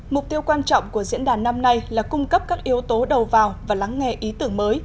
mục tiêu quan trọng của diễn đàn năm nay là cung cấp các yếu tố đầu vào và lắng nghe ý tưởng mới